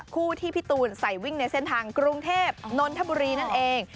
คู่ที่พี่ตูนใส่วิ่งในเส้นทางกรุงเทพนนทบุรีนั่นเอง